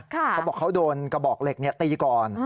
เขาบอกเขาโดนกระบอกเหล็กตีก่อน